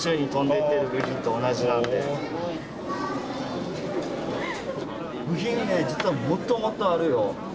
部品ね実はもっともっとあるよ。